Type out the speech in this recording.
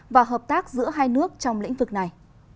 và hợp tác giữa hai nước trong lĩnh vực này